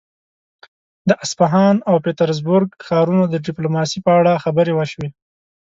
د اصفهان او پيترزبورګ ښارونو د ډيپلوماسي په اړه خبرې وشوې.